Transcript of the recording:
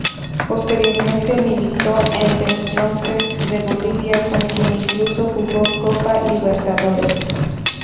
Posteriormente militó en The Strongest de Bolivia con quien incluso jugó Copa Libertadores.